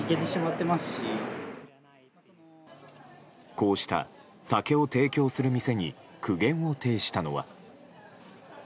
こうした、酒を提供する店に苦言を呈したのは。